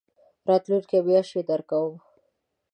راتلونکې میاشت يي درکوم